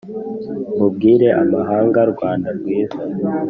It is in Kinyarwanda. mbubwire amahanga rwanda rwiza